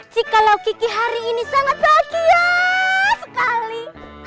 jikalau kiki hari ini sangat bahagia sekali